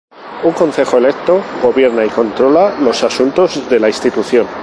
Un concejo electo gobierna y controla los asuntos de la institución.